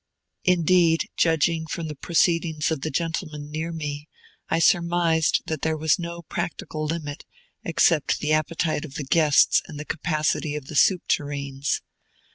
Indeed, judging from the proceedings of the gentlemen near me, I surmised that there was no practical limit, except the appetite of the guests and the capacity of the soup tureens.